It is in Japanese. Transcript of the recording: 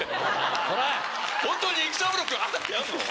ホントに育三郎君「あぁ」ってやんの？